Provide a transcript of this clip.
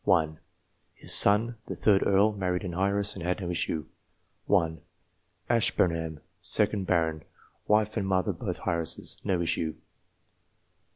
1 (His son, the 3d Earl, married an heiress, and had no issue.) 1 Ashburnham, 2d Baron ; wife and mother both heiresses. No issue.